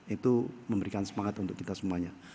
itu memberikan semangat untuk kita semuanya